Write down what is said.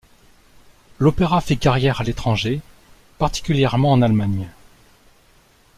L’opéra fit carrière à l’étranger, particulièrement en Allemagne.